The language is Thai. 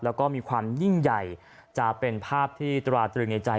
แล้วก็มีความยิ่งใหญ่จะเป็นภาพที่ตราตรึงในใจ